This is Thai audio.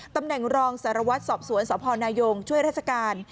ตำแหน่งรองสารวัตรสอบสวนสพนายงช่วยราชการ